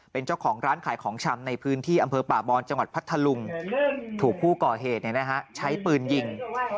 เป็นเจ้าของร้านขายของชำในพื้นที่อำเภอป่าบอนจังหวัดพัทธลุงถูกผู้ก่อเหตุใช้ปืนยิง